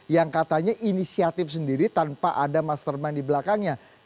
yang katanya inisiatif sendiri tanpa ada mastermind di belakangnya